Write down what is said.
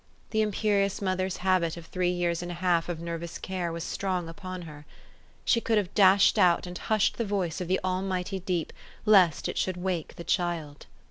The imperious mother's habit of three years and a half of nervous care was strong upon her. She could have dashed out and hushed the voice of the almighty deep, lest it should wake the child.